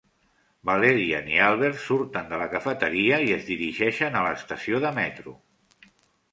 Valérian i Albert surten de la cafeteria i es dirigeixen a l'estació de metro.